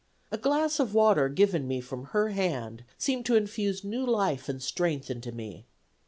A glass of water given me from her hand seemed to infuse new life and strength into me.